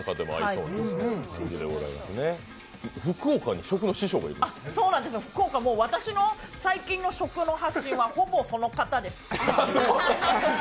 そうなんです、福岡、私の最近の食の発信はほぼその方です。